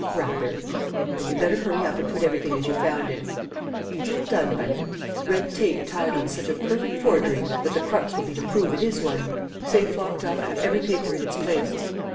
"Rather!" "Then you'd better hurry up and put everything as you found it." "It's all done, Bunny; red tape tied on such a perfect forgery that the crux will be to prove it is one; safe locked up, and every paper in its place."